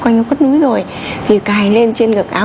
núi rồi thì cài lên trên cực áo